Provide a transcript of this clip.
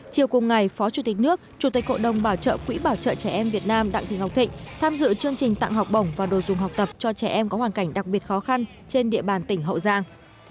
chiều cùng ngày phó chủ tịch nước chủ tịch cộng đồng bảo trợ quỹ bảo trợ trẻ em việt nam đặng thị ngọc thịnh tham dự chương trình tặng học bổng và đồ dùng học tập cho trẻ em có hoàn cảnh đặc biệt khó khăn trên địa bàn tỉnh hậu giang